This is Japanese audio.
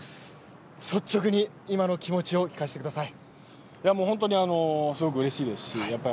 率直に今の気持ちを聞かせてください。